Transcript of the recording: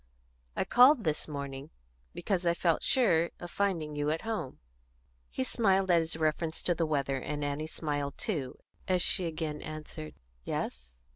"I called this morning because I felt sure of finding you at home." He smiled at his reference to the weather, and Annie smiled too as she again answered, "Yes?"